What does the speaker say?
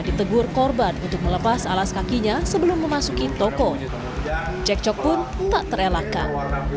ditegur korban untuk melepas alas kakinya sebelum memasuki toko cekcok pun tak terelakkan